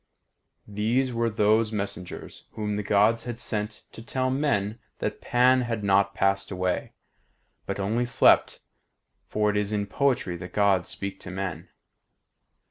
These were those messengers whom the Gods had sent to tell men that Pan had passed not away, but only slept; for it is in poetry that Gods speak to men.